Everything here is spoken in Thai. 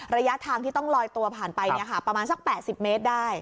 ระยะทางที่ต้องลอยตัวผ่านไปประมาณสัก๘๐เมตรได้